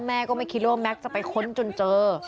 แม่ก็ไม่คิดว่าแม็กซ์จะไปค้นจนเจอ